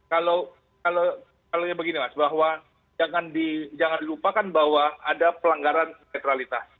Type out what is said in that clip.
kalau begini mas bahwa jangan dilupakan bahwa ada pelanggaran netralitas